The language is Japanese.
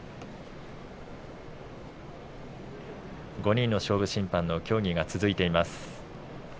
５人の勝負審判の協議が続いています。